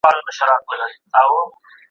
څه چي مي په زړه دي هغه ژبي ته راغلي دي